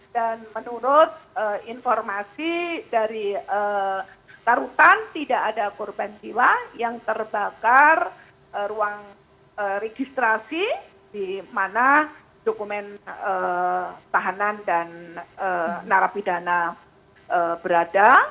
menurut informasi dari tarutan tidak ada korban jiwa yang terbakar ruang registrasi di mana dokumen tahanan dan narapidana berada